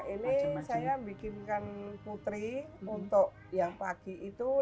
ini saya bikinkan putri untuk yang pagi itu